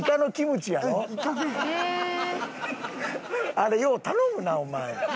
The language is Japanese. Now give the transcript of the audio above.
あれよう頼むなお前。